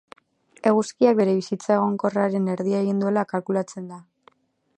Eguzkiak bere bizitza egonkorraren erdia egin duela kalkulatzen da.